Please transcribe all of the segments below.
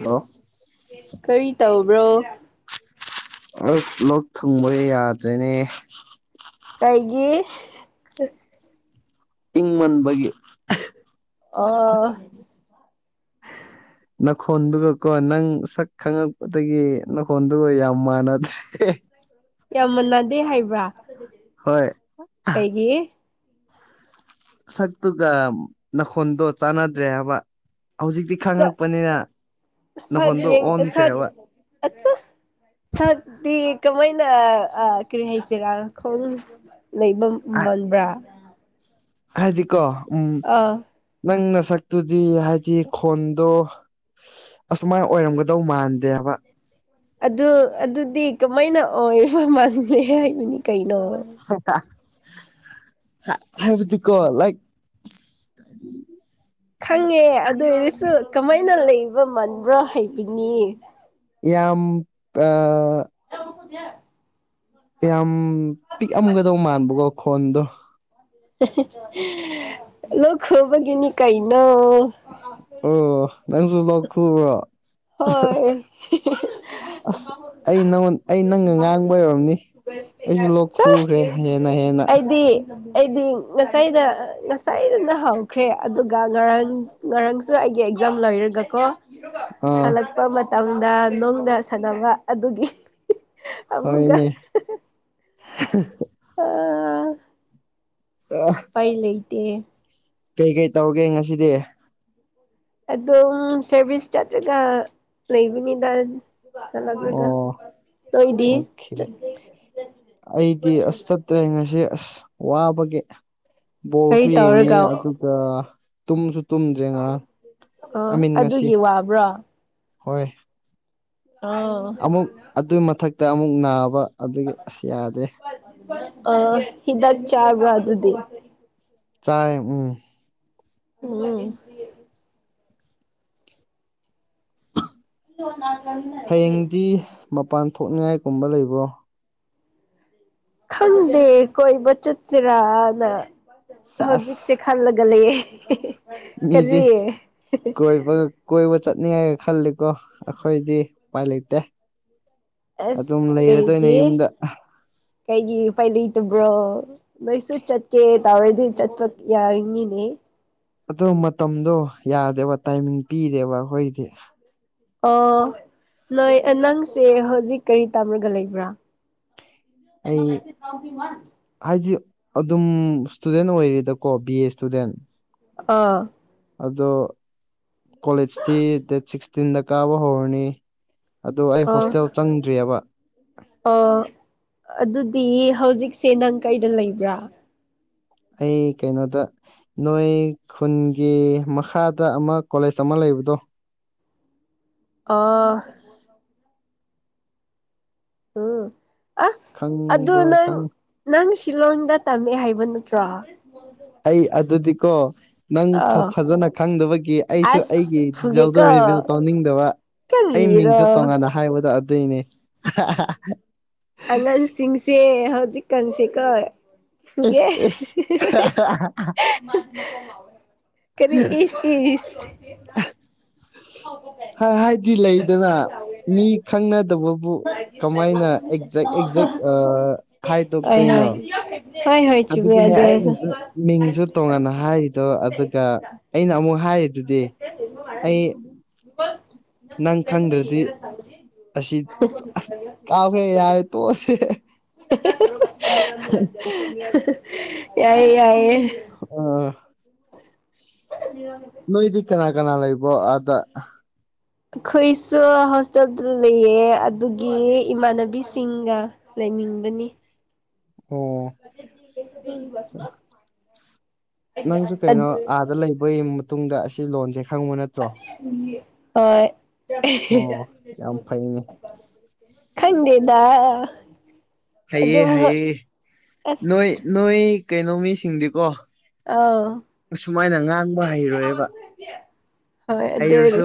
ꯑꯣ ꯀꯔꯤ ꯇꯧꯕ꯭ꯔꯣ ꯑꯁ ꯂꯣꯛ ꯊꯨꯡꯕ ꯌꯥꯗ꯭ꯔꯦꯅꯦ ꯀꯩꯒꯤ ꯏꯪꯃꯟꯕꯒꯤ ꯑꯣ [inaudible] ꯈꯣꯟꯗꯨꯒꯀꯣ ꯅꯪ ꯁꯛ ꯈꯪꯉꯛꯄꯗꯒꯤ ꯈꯣꯟꯗꯨꯒ ꯌꯥꯝ ꯃꯥꯟꯅꯗ꯭ꯔꯦ ꯌꯥꯝ ꯃꯥꯟꯅꯗꯦ ꯍꯥꯏꯕ꯭ꯔꯥ ꯍꯣꯏ ꯀꯩꯒꯤ ꯁꯛꯇꯨꯒ ꯅꯥꯈꯣꯟꯗꯣ ꯆꯥꯟꯅꯗ꯭ꯔꯦ ꯍꯥꯏꯕ ꯍꯧꯖꯤꯛꯇꯤ ꯁꯛ ꯈꯪꯉꯛꯄꯅꯤꯅ ꯁꯛ ꯅꯈꯣꯟꯗꯣ ꯌꯦꯡ ꯁꯛ ꯑꯣꯟꯈ꯭ꯔꯦꯕ ꯑꯆꯥ ꯁꯛꯇꯤ ꯀꯝꯍꯥꯏꯅ ꯀꯔꯤ ꯍꯥꯏꯁꯤꯔꯥ ꯈꯣꯡ ꯂꯩꯕ ꯃꯟꯕ꯭ꯔꯥ ꯍꯥꯏꯗꯤꯀꯣ ꯎꯝ ꯑꯥ ꯅꯪ ꯅꯁꯛꯇꯨꯗꯤ ꯍꯥꯏꯗꯤ ꯈꯣꯟꯗꯣ ꯑꯁꯨꯃꯥꯏ ꯑꯣꯏꯔꯝꯒꯗꯧ ꯃꯥꯟꯗꯦꯕ ꯑꯗꯨ ꯑꯗꯨꯗꯤ ꯀꯃꯥꯏꯅ ꯑꯣꯏꯕ ꯃꯟꯒꯦ ꯍꯥꯏꯕꯅꯤꯀꯩꯅꯣ ꯍꯥꯏꯕꯗꯤ ꯀꯣ ꯂꯥꯏꯛ ꯈꯪꯉꯦꯕ ꯑꯗꯨ ꯑꯣꯏꯔꯁꯨ ꯀꯃꯥꯏꯅ ꯂꯩꯕ ꯃꯟꯕ꯭ꯔꯥ ꯍꯩꯕꯅꯤ ꯌꯥꯝ ꯑꯥ [unintelligible] ꯌꯥꯝ ꯄꯤꯛꯑꯝꯒꯗꯧꯕ ꯃꯥꯟꯕꯀꯣ ꯈꯣꯟꯗꯣ ꯂꯣꯛ ꯈꯨꯕꯒꯤꯅꯤ ꯀꯩꯅꯣ ꯑꯣ ꯅꯪꯁꯨ ꯂꯣꯛ ꯈꯨꯕ꯭ꯔꯣ ꯍꯣꯏ ꯑꯁ ꯑꯩ ꯅꯪꯉꯣꯟ ꯑꯩ ꯅꯪꯒ ꯉꯥꯡꯕ ꯑꯣꯏꯔꯝꯅꯤ ꯑꯩꯁꯨ ꯂꯣꯛ ꯆꯥ ꯈꯨꯈ꯭ꯔꯦ ꯍꯦꯟꯅ ꯍꯦꯟꯅ ꯑꯩꯗꯤ ꯑꯩꯗꯤ ꯉꯁꯥꯏꯗ ꯉꯁꯥꯏꯅ ꯍꯧꯈ꯭ꯔꯦ ꯑꯗꯨꯒ ꯉꯔꯥꯡ ꯉꯔꯥꯡꯁꯨ ꯑꯩꯒꯤ ꯑꯦꯛꯖꯥꯝ ꯂꯩꯔꯒꯀꯣ ꯑꯥ ꯍꯜꯂꯛꯄ ꯃꯇꯝꯗ ꯅꯣꯡꯗ ꯁꯥꯟꯅꯕ ꯑꯗꯨꯒꯤ ꯑꯃꯨꯛꯀ ꯍꯣꯏꯅꯦ ꯑꯥ ꯑꯦ ꯑꯩ ꯂꯩꯇꯦꯌꯦ ꯀꯩ ꯀꯩ ꯇꯧꯒꯦ ꯉꯁꯤꯗꯤ ꯑꯗꯨꯝ ꯁꯔꯚꯤꯁ ꯆꯠꯂꯒ ꯂꯩꯕꯅꯤꯗ ꯆꯠꯂꯛꯂꯒ ꯑꯣ ꯅꯣꯏꯗꯤ ꯑꯣꯀꯦ ꯑꯩꯗꯤ ꯑꯁꯠ ꯇ꯭ꯔꯦꯡ ꯑꯁꯤ ꯑꯁ ꯋꯥꯕꯒꯤ ꯀꯔꯤ ꯕꯣꯜꯁꯨ ꯌꯦꯡꯉꯦ ꯇꯧꯔꯒ ꯑꯗꯨꯒ ꯇꯨꯝꯁꯨ ꯇꯨꯝꯗ꯭ꯔꯦ ꯉꯔꯥꯡ ꯑꯣ ꯑꯏꯃꯤꯟ ꯉꯁꯤ ꯑꯗꯨꯒꯤ ꯋꯥꯕ꯭ꯔꯣ ꯍꯣꯏ ꯑꯣ ꯑꯃꯨꯛ ꯑꯗꯨꯏ ꯃꯊꯛꯇ ꯑꯃꯨꯛ ꯅꯥꯕ ꯑꯗꯨꯒꯤ ꯑꯁ ꯌꯥꯗ꯭ꯔꯦ ꯑ ꯍꯤꯗꯥꯛ ꯆꯥꯕ꯭ꯔꯥ ꯑꯗꯨꯗꯤ ꯆꯥꯏ ꯎꯝ ꯎꯝꯝ [inaudible] ꯍꯌꯦꯡꯗꯤ ꯃꯄꯥꯟ ꯊꯣꯛꯅꯤꯉꯥꯏꯒꯨꯝꯕ ꯂꯩꯕ꯭ꯔꯣ ꯈꯪꯗꯦ ꯀꯣꯏꯕ ꯆꯠꯁꯤꯔꯥꯅ ꯁꯦꯁ ꯍꯧꯖꯤꯛꯁꯦ ꯈ ꯈꯜꯂꯒ ꯂꯩꯌꯦ ꯃꯤꯗꯤ ꯀꯔꯤ ꯀꯣꯏꯕ ꯀꯣꯏꯕ ꯆꯠꯅꯤꯉꯥꯏꯒ ꯈꯜꯂꯤꯀꯣ ꯑꯩꯈꯣꯏꯗꯤ ꯎꯄꯥꯏ ꯂꯩꯇꯦ ꯑꯗꯨꯝ ꯑꯁ ꯂꯩꯔꯗꯣꯏꯅꯦ ꯀꯔꯤꯒꯤ ꯌꯨꯝꯗ ꯀꯩꯒꯤ ꯎꯄꯥꯏ ꯂꯩꯇꯕ꯭ꯔꯣ ꯅꯣꯏꯁꯨ ꯆꯠꯀꯦ ꯇꯧꯔꯗꯤ ꯆꯠꯄ ꯌꯥꯔꯤꯉꯤꯅꯦ ꯑꯗꯣ ꯃꯇꯝꯗꯣ ꯌꯥꯗꯕ ꯇꯥꯏꯃꯤꯡ ꯄꯤꯗꯦꯕ ꯑꯩꯈꯣꯏꯗꯤ ꯑꯣ ꯅꯣꯏ ꯅꯪꯁꯦ ꯍꯧꯖꯤꯛ ꯀꯔꯤ ꯇꯝꯔꯒ ꯂꯩꯕ꯭ꯔꯥ ꯑꯩ [unintelligible] ꯍꯥꯏꯗꯤ ꯑꯗꯨꯝ ꯁꯇꯨꯗꯦꯟ ꯑꯣꯏꯔꯤꯗꯀꯣ ꯕꯤ ꯑꯦ ꯁꯇꯨꯗꯦꯟ ꯑꯥ ꯑꯗꯣ ꯀꯣꯂꯦꯖꯇꯤ ꯗꯦꯠ ꯁꯤꯛꯁꯇꯤꯟꯗ ꯀꯥꯕ ꯍꯧꯔꯅꯤ ꯑꯗꯣ ꯑꯩ ꯍꯣꯁꯇꯦꯜ ꯆꯪꯗ꯭ꯔꯤꯑꯕ ꯑꯣ ꯑꯗꯨꯗꯤ ꯍꯧꯖꯤꯛꯁꯦ ꯅꯪ ꯀꯩꯗ ꯂꯩꯕ꯭ꯔꯥ ꯑꯩ ꯀꯩꯅꯣꯗ ꯅꯣꯏ ꯈꯨꯟꯒꯤ ꯃꯈꯥꯗ ꯑꯃ ꯀꯣꯂꯦꯖ ꯑꯃ ꯂꯩꯕꯗꯣ ꯑꯣ [unintelligible] ꯎꯝ ꯑ ꯑꯗꯨ ꯈꯪꯕ꯭ꯔꯥ ꯅꯪ ꯈꯪ ꯅꯪ ꯁꯤꯂꯣꯡꯗ ꯇꯝꯃꯦ ꯍꯥꯏꯕ ꯅꯠꯇ꯭ꯔꯣ ꯑꯩ ꯑꯗꯨꯗꯤꯀꯣ ꯅꯪ ꯑꯥ ꯐꯖꯅ ꯈꯪꯗꯕꯒꯤ ꯑꯩꯁꯨ ꯑꯁ ꯑꯩꯒꯤ ꯖꯦꯜꯗꯣ ꯐꯨꯒꯦꯀꯣ ꯔꯤꯚꯤꯌꯨ ꯇꯧꯅꯤꯡꯗꯕ ꯑꯩ ꯀꯔꯤꯔ ꯃꯤꯡꯖꯨ ꯇꯣꯡꯉꯥꯟꯅ ꯍꯥꯏꯕꯗꯣ ꯑꯗꯨꯏꯅꯦ ꯑꯉꯥꯡꯁꯤꯡꯁꯦ ꯍꯧꯖꯤꯛꯀꯥꯟꯁꯦ ꯀꯣ ꯐꯨꯒꯦ ꯑꯦꯁ ꯑꯦꯁ ꯀꯔꯤ ꯏꯁ ꯏꯁ [inaudible] ꯍꯥꯏꯗꯤ ꯂꯩꯗꯅ ꯃꯤ ꯑꯦꯛꯖꯦꯛ ꯑꯦꯛꯖꯦꯛ ꯑꯥ ꯍꯥꯏꯗꫭꯛ ꯇꯨꯏꯅꫭ ꯍꫭꯏ ꯍꯣꯏ ꯆꯨꯝꯃꯦ ꯑꯗꯨꯒꯤꯅꯦ ꯑꯗꯨꯁꯨ ꯑꯩꯅꯁꯨ ꯃꯤꯡꯁꯨ ꯇꯣꯉꯥꯟꯅ ꯍꯥꯏꯔꯤꯗꯣ ꯑꯗꯨꯒ ꯑꯩꯅ ꯑꯃꯨꯛ ꯍꯥꯏꯔꯤ ꯑꯗꯨꯗꯤ ꯑꯩ ꯅꯪ ꯈꯪꯗ꯭ꯔꯗꯤ ꯑꯁꯤ ꯑꯁ ꯑꯥ ꯐꯦ ꯌꯥꯔꯦ ꯇꯣꯛꯑꯁꯦ ꯌꯥꯏꯌꯦ ꯌꯥꯏꯌꯦ ꯑ UNINTELLIGIBLE ꯅꯣꯏꯗꯤ ꯀꯅꯥ ꯀꯅꯥ ꯂꯩꯕꯣ ꯑꯗꯥ ꯑꯩꯈꯣꯏꯁꯨ ꯍꯣꯁꯇꯦꯜꯗ ꯂꯩꯌꯦ ꯑꯗꯨꯒꯤ ꯏꯃꯥꯟꯅꯕꯤꯁꯤꯡꯒ ꯂꯩꯅꯤꯡꯕꯅꯤ ꯑꯣ UNINTELLIGIBLE ꯅꯪꯁꯨ ꯀꯩꯅꯣ ꯑꯥꯗ ꯂꯩꯕꯒꯤ ꯃꯇꯨꯡꯗ ꯑꯁꯤ ꯂꯣꯟꯁꯦ ꯈꯪꯕ ꯅꯠꯇ꯭ꯔꯣ ꯑꯣ ꯌꯥꯝ ꯐꯩꯅꯦ ꯑꫭꯏ ꯈꯪꯗꯦꯗ ꯍꯩꯑꯦ ꯑꯗꯨꯝ ꯍꯌꯦ ꯅꯣꯏ ꯑꯁ ꯅꯣꯏ ꯀꯩꯅꯣ ꯃꯤꯁꯤꯡꯗꯤꯀꯣ ꯑ ꯑꯁꯨꯃꯥꯏꯅ ꯉꯥꯡꯕ ꯍꯩꯔꯣꯏꯑꯕ UNINTELLIGIBLE ꯍꯩꯔꯁꯨ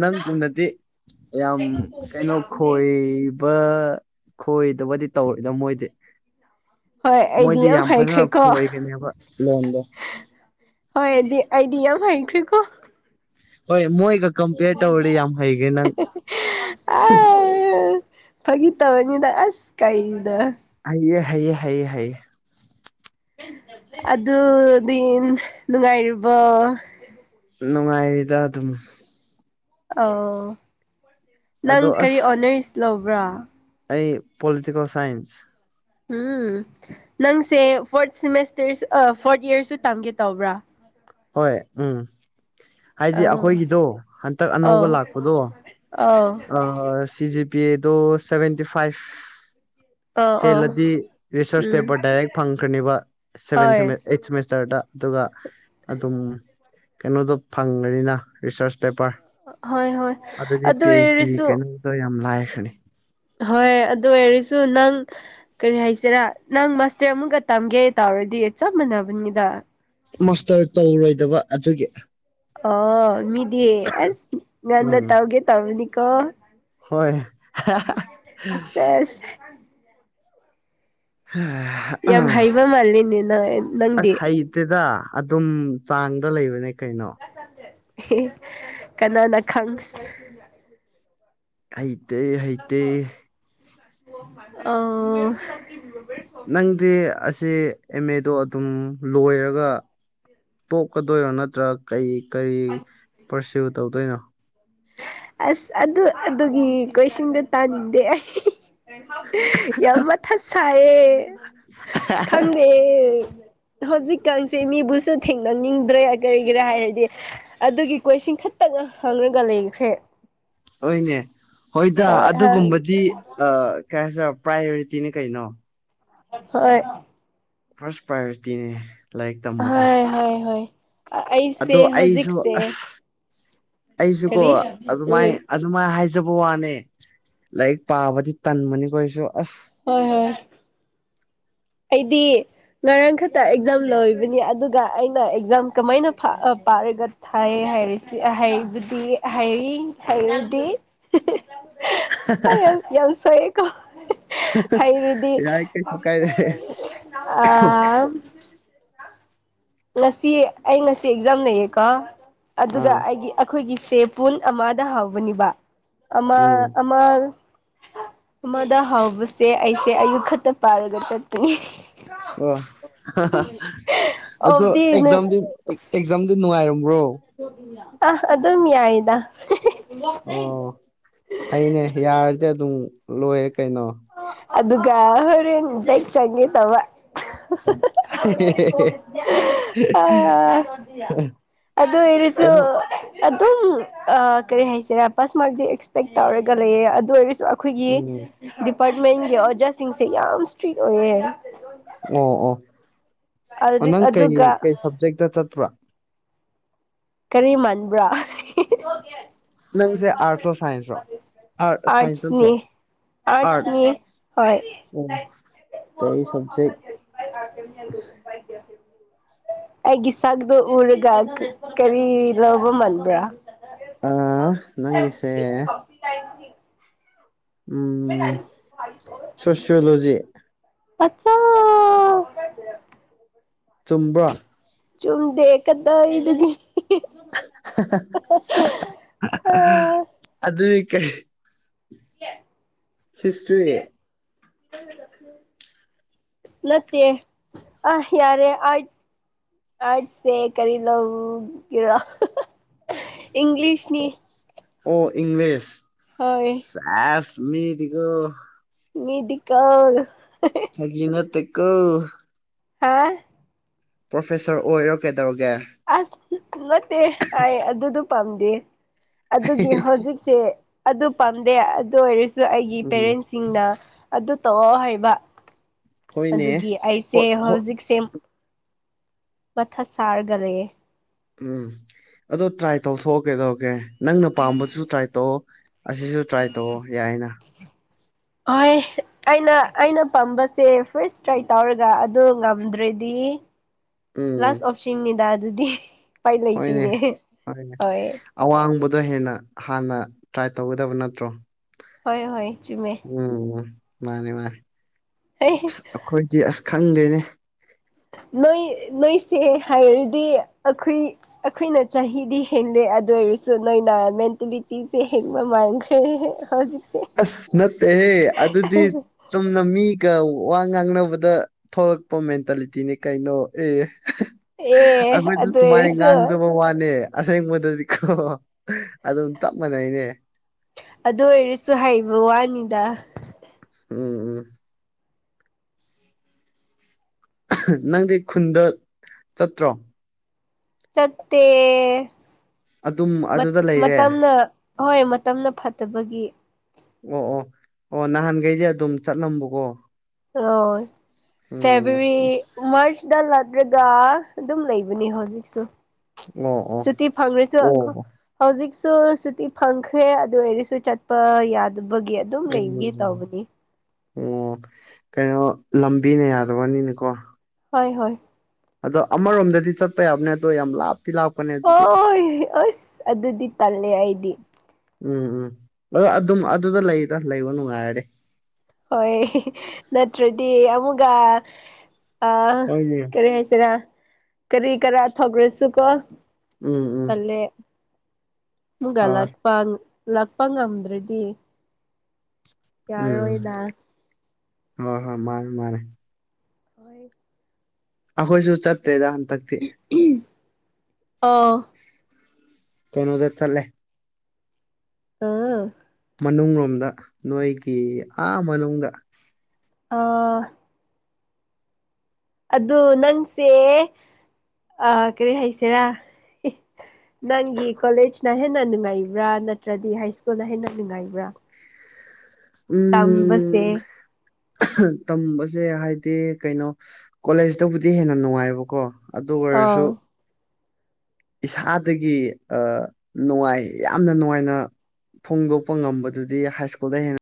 ꯅꯪꯒꯨꯝꯗꯗꯤ ꯌꯥꯝ ꯀꯩꯅꯣ ꯈꯣꯏ ꯈꯣꯏꯗꯕꯨꯗꯤ ꯇꯧꯔꯣꯏꯗ ꯃꯣꯏꯗꯤ ꯍꯣꯏ ꯑꯩꯗꯤ ꯃꯣꯏꯗꯤ ꯌꯥꯝ ꯐꯖꯅ ꯍꯩꯈ꯭ꯔꯦꯀꯣ ꯈꯣꯏꯒꯅꯦꯕ ꯂꯣꯟꯗꯣ ꯍꯣꯏ ꯑꯗꯨꯗꯤ ꯑꯩꯗꯤ ꯌꯥꯝ ꯍꯩꯈ꯭ꯔꯦꯀꯣ ꯍ ꯃꯣꯏꯒ ꯀꯝꯄꯦꯌꯔ ꯇꯧꯔꯗꯤ ꯌꯥꯝ ꯍꯩꯈ꯭ꯔꯦ ꯅꯪ ꯑ ꯐꯥꯒꯤ ꯇꯕꯅꯤꯗ ꯑꯁ ꯀꯩꯗ ꯍꯥꯏꯌꯦꯑꯌꯦ ꯍꯥꯏꯌꯦ ꯍꯥꯏꯌꯦ ꯍꯥꯏꯌꯦ ꯑꯗꯨꯗꯤ ꯅꯨꯡꯉꯥꯏꯔꯤꯕꫭ ꯅꯨꯡꯉꯥꯏꯔꯤꯗ ꯑꯗꯨꯝ ꯑ ꯅꯪ ꯑꯗꯣ ꯀꯔꯤ ꯑꯁ ꯑꯣꯅꯔꯁ ꯂꯧꯕ꯭ꯔꯥ ꯑꯩ ꯄꯣꯂꯤꯇꯤꯀꯦꯜ ꯁꯥꯏꯟꯁ ꯎꯝ ꯅꯪꯁꯦ ꯐꯣꯔꯠ ꯁꯤꯃꯦꯁꯇꯔ ꯐꯣꯔꯠ ꯏꯌꯔꯁꯨ ꯇꯝꯒꯦ ꯇꯧꯕ꯭ꯔꯥ ꯍꯣꯏ ꯎꯝ ꯍꯥꯏꯗꯤ ꯑꯧ ꯑꯩꯈꯣꯏꯒꯤꯗꯣ ꯍꯟꯇꯛ ꯑꯅꯧꯕ ꯑꯧ ꯂꯥꯛꯄꯗꯣ ꯑꯧ ꯑ ꯁꯤ ꯖꯤ ꯄꯤ ꯗꯣ ꯁꯚꯦꯟꯇꯤ ꯐꯥꯏꯕ ꯑꯧ ꯑꯧ ꯍꯦꯜꯂꯗꯤ ꯔꯤꯁꯔꯁ ꯎꯝ ꯄꯦꯄꯔ ꯗꯥꯏꯔꯦꯛ ꯐꯪꯈ꯭ꯔꯅꯦꯕ ꯁꯚꯦꯟ ꯍꯣꯏ ꯗꯚꯦꯟ ꯑꯩꯠ ꯁꯦꯃꯤꯁꯇꯔꯗ ꯑꯗꯨꯒ ꯑꯗꯨꯝ ꯀꯩꯅꯣꯗꯣ ꯐꯪꯉꯅꯤꯅ ꯔꯤꯁꯔꯁ ꯄꯦꯄꯔ ꯍꯣꯏ ꯍꯣꯏ ꯑꯗꯨ ꯑꯣꯏꯔꯁꯨ ꯑꯗꯣ ꯌꯥꯝ ꯂꯥꯏꯈꯔ꯭ ꯅꯤ ꯍꯣꯏ ꯑꯗꯨ ꯑꯣꯏꯔꯁꯨ ꯅꯪ ꯀꯔꯤ ꯍꯥꯏꯁꯤꯔꯥ ꯅꯪ ꯃꯥꯁꯇꯔ ꯑꯃꯨꯛꯀ ꯇꯝꯒꯦ ꯇꯧꯔꯗꯤ ꯆꯞ ꯃꯥꯟꯅꯕꯅꯤꯗ ꯃꯥꯁꯇꯔ ꯇꯧꯔꯣꯏꯗꯕ ꯑꯗꯨꯒꯤ ꯑ ꯃꯤꯗꯤ ꯑꯁ ꯉꯥꯟꯅ ꯎꯝ ꯇꯧꯒꯦ ꯇꯧꯔꯅꯤ ꯀꯣ ꯍꯣꯏ ꯑꯁꯦꯁ UNINTELLIGIBLE ꯌꯥꯝ ꯍꯩꯕ ꯃꯥꯜꯂꯤꯅꯦ ꯅ ꯅꯪꯗꯤ ꯑꯗꯨꯗ ꯑꯗꯨꯝ ꯆꯥꯡꯗ ꯂꯩꯕꯅꯦ ꯀꯩꯅꯣ ꯑꯦ ꯀꯅꯥꯅ ꯈꯪ ꯍꯩꯇꯩ ꯍꯩꯇꯩ ꯑ ꯅꯪꯗꯤ ꯑꯁꯤ ꯑꯦꯝ ꯑꯦꯗꯣ ꯑꯗꯨꯝ ꯂꯣꯏꯔꯒ ꯇꯣꯛꯀꯗꯣꯏꯔꯣ ꯅꯠꯇ꯭ꯔꯥ ꯀꯔꯤ ꯀꯔꯤ ꯄꯔꯁꯤꯜ ꯇꯧꯗꯣꯏꯅꯣ ꯑꯁ ꯑꯗꯨ ꯑꯗꯨꯒꯤ ꯀꯣꯏꯁꯟꯗꯣ ꯇꯥꯅꯤꯡꯗꯦ ꯑꯩ ꯌꯥꯝ ꯃꯊꯥ ꯁꯥꯏꯌꯦ ꯈꯪꯗꯦ ꯍꯧꯖꯤꯛꯀꯥꯟꯁꯦ ꯃꯤꯕꯨꯁꯨ ꯊꯦꯡꯅꯅꯤꯡꯗ꯭ꯔꯦ ꯀꯔꯤꯒꯤꯔꯥ ꯍꯥꯏꯔꯗꯤ ꯑꯗꯨꯒꯤ ꯀꯣꯏꯁꯟ ꯈꯛꯇ ꯍꯪꯉꯒ ꯂꯩꯈ꯭ꯔꯦ ꯍꯣꯏꯅꯦ ꯍꯣꯏꯗ ꯍꯣꯏ ꯍ ꯑꯗꯨꯒꯨꯝꯕꯗꯤ ꯀꯩ ꯍꯥꯏꯁꯤꯔ ꯄ꯭ꯔꯥꯏꯌꯣꯔꯤꯇꯤꯅꯦ ꯀꯩꯅꯣ ꯍꯣꯏ ꯐꯥꯔꯁ ꯄ꯭ꯔꯥꯏꯌꯣꯔꯤꯇꯤꯅꯦ ꯂꯥꯏꯔꯤꯛ ꯇꯝꯕꯁꯦ ꯍꯣꯏ ꯍꯣꯏ ꯍꯣꯏ ꯑꯩꯁꯦ ꯑꯗꯣ ꯑꯩꯁꯨ ꯍꯧꯖꯤꯛꯁꯦ ꯑꯁ ꯑꯩꯁꯨꯀꯣ ꯀꯔꯤ ꯑꯗꯨꯃꯥꯏ ꯎꯝ ꯑꯗꯨꯃꯥꯏꯅ ꯍꯥꯏꯖꯕ ꯋꯥꯅꯦ ꯂꯥꯏꯔꯤꯛ ꯄꯥꯕꯗꯤ ꯇꯟꯕꯅꯤ ꯑꯩꯁꯨ ꯑꯁ ꯍꯣꯏ ꯍꯣꯏ ꯑꯩꯗꯤ ꯉꯔꯥꯡ ꯈꯛꯇ ꯑꯦꯛꯖꯥꯝ ꯂꯣꯏꯕꯅꯤ ꯑꯗꯨꯒ ꯑꯩꯅ ꯑꯦꯛꯖꯥꯝ ꯀꯃꯥꯏꯅ ꯄꯥꯔꯒ ꯊꯥꯏ ꯍꯥꯏꯔꯤꯁꯤꯕꯨꯗꯤ ꯍꯥꯏꯔꯗꯤ ꯌꯥꯝ ꯁꯣꯏꯌꯦꯀꯣ ꯍꯩꯔꯗꯤ ꯌꯥꯏ ꯀꯩꯁꯨꯨ ꯀꯥꯏꯗꯦ ꯍꯥꯎ ꯉꯁꯤ ꯑꯩ ꯉꯁꯤ ꯑꯦꯛꯖꯥꯝ ꯂꯩꯌꯦꯀꯣ ꯑꯗꯨꯒ ꯑꯥ ꯑꯩꯒꯤ ꯑꯩꯈꯣꯏꯒꯤꯁꯦ ꯄꯨꯡ ꯑꯃꯗ ꯍꯥꯎꯕꯅꯦꯕ ꯑꯃ ꯎꯝ ꯑꯃ ꯑꯃꯗ ꯍꯧꯕꯁꯦ ꯑꯩꯁꯦ ꯑꯌꯨꯛ ꯈꯛꯇ ꯄꯥꯏꯔꯒ ꯆꯠꯄꯅꯤ ꯑꯣ ꯑꯗꯣ ꯑꯣꯐꯗꯤ ꯑꯦꯛꯖꯥꯝꯗꯤ ꯑꯦꯛꯖꯥꯝꯗꯤ ꯅꯨꯡꯉꯥꯏꯔꯝꯕ꯭ꯔꯣ ꯑ ꯑꯗꯨꯝ ꯌꯥꯏꯗ ꯑꯣ ꯐꯩꯅꯦ ꯌꯥꯔꯗꯤ ꯑꯗꯨꯝ ꯂꯣꯏꯔꯦ ꯀꯩꯅꯣ ꯑꯗꯨꯒ ꯍꯣꯔꯦꯟ ꯆꯪꯒꯦ ꯇꯧꯕ ꯑ ꯑꯗꯨ ꯀꯩꯅꯣ ꯑꯣꯏꯔꯁꯨꯨ ꯑꯗꯨꯝ ꯀꯔꯤ ꯍꯥꯏꯁꯤꯔ ꯄꯥꯁ ꯃꯥꯔꯛꯇꯤ ꯑꯦꯛꯁꯄꯦꯛ ꯇꯧꯔꯦ ꯀꯔꯤ ꯑꯗꯨ ꯑꯣꯏꯔꯁꯨ ꯑꯩꯈꯣꯏꯒꯤ ꯎꯝ ꯗꯤꯄꯥꯔꯠꯃꯦꯟꯒꯤ ꯑꯣꯖꯥꯁꯤꯡꯁꯦ ꯌꯥꯝ ꯏꯁꯇ꯭ꯔꯤꯛ ꯑꯣꯏꯌꯦ ꯑꯣ ꯑꯣ ꯅꯪ ꯀꯩ ꯑꯗꯨꯒ ꯀꯩ ꯁꯕꯖꯦꯛꯇ ꯆꯠꯄ꯭ꯔꯥ ꯀꯔꯤ ꯃꯥꯟꯕ꯭ꯔꯥ ꯅꯪꯁꯦ ꯑꯥꯔꯠ ꯑꯣꯣ ꯁꯥꯏꯟꯁ꯭ꯔꯣ ꯑꯥꯔꯠ ꯁꯥꯏꯟꯁ ꯅꯠꯇ꯭ꯔꯣ ꯑꯠꯁ ꯑꯥꯔꯠꯁ ꯍꯣꯏ ꯑꯣ ꯀꯩ ꯁꯕꯖꯦꯛ [inaudible] ꯑꯩꯒꯤ ꯁꯒꯗꯣ ꯎꯔꯒꯒ ꯀꯔꯤ ꯂꯧꯕ ꯃꯟꯕ꯭ꯔꯥ ꯑ ꯅꯪꯁꯦ ꯆꯁꯤ ꯎꯝ ꯁꯣꯁꯤꯌꯣꯂꯣꯖꯤ ꯑꯆꯥ ꯆꯨꯝꯕ꯭ꯔꯣ ꯆꯨꯝꯗꯦ ꯀꯗꯥꯏꯗꯒꯤ ꯑ ꯑꯗꯨꯗꯤ ꯀꯩ ꯍꯤꯁꯇ꯭ꯔꯤ UNAUDIBLE ꯅꯠꯇꯦ ꯑꯥꯏ ꯌꯥꯔꯦ ꯑꯥꯏ ꯑꯥꯔꯠꯅꯦ ꯀꯔꯤ ꯃꯔꯝꯒꯤꯔ ꯏꯪꯂꯤꯁꯅꯤ ꯑꯣ ꯏꯪꯂꯤꯁ ꯍꯣꯏ ꯑꯁ ꯃꯤ ꯇꯒꯣ ꯃꯤꯗꯤꯀꯥꯜ ꯐꯒꯤꯅ ꯇ ꯀꯣ ꯍꯥ ꯄ꯭ꯔꯣꯐꯦꯁꯔ ꯑꯣꯏꯔꯣ ꯀꯩꯗꯧꯔꯒꯦ ꯑꯁ ꯅꯠꯇꯦ ꯑꯩ ꯑꯗꯨꯗꯣ ꯄꯥꯝꯗꯦ ꯑꯗꯨꯒꯤ ꯍꯧꯖꯤꯛꯁꯦ ꯑꯗꯨ ꯄꯥꯝꯗꯦ ꯑꯗꯨ ꯑꯣꯏꯔꯁꯨ ꯑꯩꯒꯤ ꯎꯝ ꯄꯦꯔꯦꯟꯁ ꯁꯤꯡꯅ ꯑꯗꯨ ꯇꯧꯑꯣ ꯍꯥꯏꯕ ꯍꯣꯏꯅꯦ ꯑꯗꯨꯒꯤ ꯑꯩꯁꯦ ꯍꯣꯏ ꯍꯣꯏ ꯍꯧꯖꯤꯛꯁꯦ ꯃꯊ ꯁꯥꯔꯒꯂꯦ ꯎꯝ ꯑꯗꯣ ꯇ꯭ꯔꯥꯏ ꯇꯧꯊꯣꯛꯑꯣ ꯀꯩꯗꯧꯔꯒꯦ ꯅꯪꯅ ꯄꯥꯝꯕꯗꯨꯁꯨ ꯇ꯭ꯔꯥꯏ ꯇꯧꯑꯣ ꯑꯁꯤꯁꯨ ꯇ꯭ꯔꯥꯏ ꯇꯧꯑꯣ ꯌꯥꯏꯅ ꯍꯣꯏ ꯑꯩꯅ ꯑꯩꯅ ꯄꯥꯝꯕꯁꯦ ꯐꯥꯔꯁ ꯇ꯭ꯔꯥꯏ ꯇꯧꯔꯒ ꯑꯗꯨ ꯉꯝꯗ꯭ꯔꯦꯗꯤ ꯎꯝ ꯂꯥꯁ ꯑꯣꯞꯁꯟꯅꯤꯗ ꯑꯗꯨꯗꯤ ꯎꯄꯥꯏ ꯂꯩꯇꯦꯅꯦ ꯍꯣꯏ꯫ ꯑꯋꯥꯡꯕꯗ ꯍꯦꯟꯅ ꯍꯥꯟꯅ ꯇ꯭ꯔꯥꯏ ꯇꯧꯒꯗꯕ ꯅꯠꯇ꯭ꯔꯣ꯫ ꯍꯣꯏ ꯍꯣꯏ ꯆꯨꯝꯃꯦ ꯎꯝ ꯎꯝ ꯃꯥꯅꯦ ꯃꯥꯅꯦ ꯑꯁ ꯑꯩꯈꯣꯏꯗꯤ ꯑꯁ ꯈꯪꯗꯔꯦꯅꯦ ꯅꯣꯏ ꯅꯣꯏꯁꯦ ꯍꯥꯏꯔꯗꯤ ꯑꯩꯈꯨꯏ ꯑꯩꯈꯨꯏꯅ ꯆꯍꯤꯗꯤ ꯍꯦꯜꯂꯦ ꯑꯗꯨ ꯑꯣꯏꯔꯁꯨ ꯅꯣꯏꯅ ꯃꯦꯟꯇꯦꯂꯤꯇꯤꯁꯦ ꯍꯦꯟꯕ ꯃꯥꯡꯈ꯭ꯔꯦ ꯌꯦꯍꯤꯍꯦ ꯍꯧꯖꯤꯛ ꯑꯁ ꯅꯠꯇꯦꯍꯦ ꯑꯗꯨꯗꯤ ꯆꯨꯝꯅ ꯃꯤꯒ ꯋꯥ ꯉꯥꯡꯅꯕꯗ ꯊꯣꯛꯂꯛꯄ ꯃꯦꯟꯇꯥꯂꯤꯇꯤꯅꯦ ꯀꯩꯅꯣ ꯑꯦ ꯑꯦ ꯑꯩꯈꯣꯏꯁꯨꯦ ꯑꯗꯨ ꯁꯨꯃꯥꯏꯅ ꯑꯣꯏꯔꯁꯨ ꯉꯥꯡꯖꯕ ꯋꯥꯂꯦ ꯑꯁꯦꯡꯕꯗꯗꯤꯀꯣ ꯑꯗꯨꯝ ꯆꯞ ꯃꯥꯟꯅꯩꯅꯦ ꯑꯗꯨ ꯑꯣꯏꯔꯁꯨ ꯍꯩꯕ ꯋꯥꯅꯤꯗ ꯎꯝ ꯎꯝ ꯅꯪꯗꯤ ꯈꯨꯟꯗ ꯆꯠꯇ꯭ꯔꯣ ꯆꯠꯠꯇꯦ ꯑꯗꯨꯝ ꯑꯗꯨꯗ ꯂꯩꯔꯦ ꯃꯇꯝ ꯍꯣꯏ ꯃꯇꯝꯅ ꯐꯠꯇꯕꯒꯤ ꯑꯣ ꯑꯣ ꯑꯣ ꯅꯍꯥꯟꯈꯩꯗꯤꯦ ꯑꯗꯨꯝ ꯆꯠꯂꯝꯕꯀꯣ ꯑꯣ ꯎꯝ ꯐꯦꯕꯋꯥꯔꯤ ꯃꯥꯔ꯭ꯁꯗ ꯂꯥꯛꯂꯒꯥ ꯑꯗꯨꯝ ꯂꯩꯕꯅꯤ ꯍꯧꯖꯤꯛꯁꯨ ꯑꯣ ꯑꯣ ꯁꯨꯇꯤ ꯐꯪꯔ ꯆꯠꯈꯣ ꯑꯣ ꯍꯧꯖꯤꯛꯁꯨ ꯁꯨꯇꯤ ꯐꯪꯈ꯭ꯔꯦ ꯑꯗꯨ ꯑꯣꯏꯔꯁꯨ ꯆꯠꯄ ꯌꯥꯗꯕꯒꯤ ꯑꯗꯨꯝ ꯂꯩꯒꯦ ꯎꯝ ꯇꯧꯕꯅꯤ ꯑꯣ ꯀꯩꯅꯣ ꯂꯝꯕꯤꯅ ꯌꯥꯗꯕꯅꯤꯅꯦꯀꯣ ꯍꯣꯏ ꯍꯣꯏ ꯑꯗꯣ ꯑꯃꯥꯔꯣꯝꯗꯗꯤ ꯆꯠꯄ ꯌꯥꯕꯅꯦ ꯑꯗꯣ ꯌꯥꯝ ꯂꯥꯞ ꯇꯤꯂꯥꯎꯄꯅꯦ ꯑꯣꯏ ꯑꯁ ꯑꯗꯨꯗꯤ ꯇꯜꯂꯦ ꯑꯩꯗꯤ ꯎꯝ ꯎꯝ ꯑꯣ ꯑꯗꯨꯝ ꯑꯗꯨꯗ ꯂꯩꯗ ꯂꯩꯕ ꯅꯨꯡꯉꯥꯏꯔꯗꯤ ꯍꯣꯏ ꯅꯠꯇ꯭ꯔꯗꯤ ꯑꯃꯨꯒꯥ ꯑ ꯍꯣꯏꯅꯦ ꯀꯔꯤ ꯍꯥꯏꯁꯤꯔꯥ ꯀꯔꯤ ꯀꯔꯥ ꯊꯣꯛꯂꯁꯨꯀꯣ ꯎꯝ ꯎꯝ ꯃꯨꯒꯥ ꯍꯣꯏ ꯂꯥꯛꯄ ꯂꯥꯛꯄ ꯉꯝꯗ꯭ꯔꯥꯗꯤ ꯎꯝ ꯍ ꯍꯣꯏ ꯃꯥꯅꯦ ꯃꯥꯅꯦ ꯍꯣꯏ꯫ ꯑꯩꯈꯣꯏꯁꯨ ꯆꯠꯇꯦꯗ ꯍꯟꯗꯛꯇꯤ ꯎꯍꯨꯝ ꯑꯣ ꯀꯩꯅꯣꯗ ꯆꯠꯂꯦ ꯑꯥ [unintelligible] ꯃꯅꯨꯡꯂꯣꯝꯗ ꯅꯣꯏꯒꯤ ꯑꯥ ꯃꯅꯨꯡꯗ ꯑꯥ ꯑꯗꯨ ꯅꯪꯁꯦ ꯀꯔꯤ ꯍꯥꯏꯁꯤꯔꯥ ꯍꯤ ꯅꯪꯒꯤ ꯀꯣꯂꯦꯖꯅ ꯍꯦꯟꯅ ꯅꯨꯡꯉꯥꯏꯕ꯭ꯔꯥ ꯅꯠꯇ꯭ꯔꯗꯤ ꯍꯥꯏ ꯁ꯭ꯀꯨꯜꯅ ꯍꯦꯟꯅ ꯅꯨꯡꯉꯥꯏꯕ꯭ꯔꯥ ꯇꯝꯕꯁꯦ ꯑꯍꯝ ꯇꯝꯕꯁꯦ ꯍꯥꯏꯗꯤ ꯀꯩꯅꯣ ꯀꯣꯂꯦꯖꯇꯕꯨꯗꯤ ꯍꯦꯟꯅ ꯅꯨꯡꯉꯥꯏꯕꯀꯣ ꯑꯗꯨ ꯑꯣꯏꯔꯁꯨ ꯑꯥꯎ ꯏꯁꯥꯗꯒꯤ ꯑꯥ ꯅꯨꯡꯉꯥꯏ ꯌꯥꯝꯅ ꯅꯨꯡꯉꯥꯏꯅ ꯐꯣꯡꯗꯣꯛꯄ ꯉꯝꯕꯗꯨꯗꯤ ꯍꯥꯏ ꯁ꯭ꯀꯨꯜꯗ ꯍꯦꯟꯅ